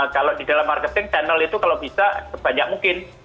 kalau di dalam marketing channel itu kalau bisa sebanyak mungkin